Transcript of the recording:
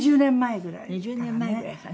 ２０年前ぐらいからね。